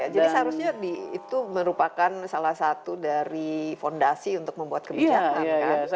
jadi seharusnya itu merupakan salah satu dari fondasi untuk membuat kebijakan